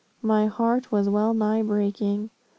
My heart was well nigh breaking.